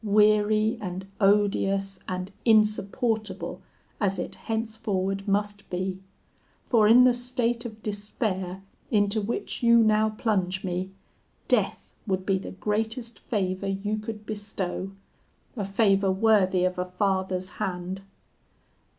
weary and odious and insupportable as it henceforward must be; for in the state of despair into which you now plunge me, death would be the greatest favour you could bestow a favour worthy of a father's hand.'